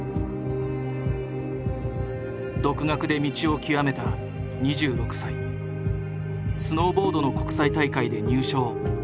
独学で道を極めた２６歳スノーボードの国際大会で入賞。